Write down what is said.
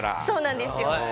そうなんですよ。